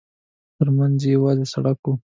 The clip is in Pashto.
ترمنځ یې یوازې سړک و.